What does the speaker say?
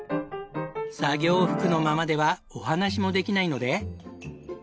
作業服のままではお話もできないので。